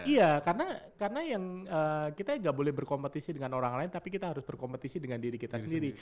iya karena yang kita nggak boleh berkompetisi dengan orang lain tapi kita harus berkompetisi dengan diri kita sendiri